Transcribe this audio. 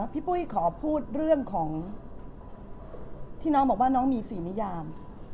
พี่ปุ้ยขอพูดเรื่องของที่น้องบอกว่าน้องมี๔นิยาม